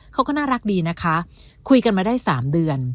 เขาก็น่ารักดีนะคะคุยกันมาได้๓เดือน